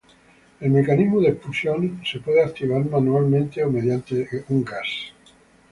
El mecanismo de expulsión puede ser activado manualmente o mediante un gas.